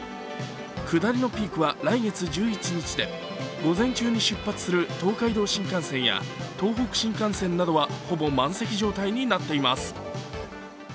下りのピークは来月１１日で午前中に出発する東海道新幹線や東北新幹線などはほぼ満席状態になっています。